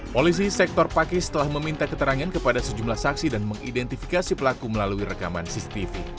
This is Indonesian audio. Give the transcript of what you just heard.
polisi sektor pakis telah meminta keterangan kepada sejumlah saksi dan mengidentifikasi pelaku melalui rekaman cctv